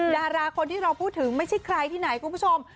ดาราคนที่เราพูดถึงไม่ใช่ใครที่ไหนคุณผู้ชม